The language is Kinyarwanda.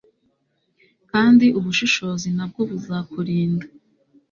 kandi ubushishozi na bwo buzakurinda